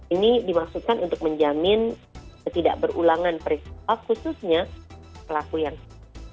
ini dimaksudkan untuk menjamin ketidak berulangan peristiwa khususnya pelaku yang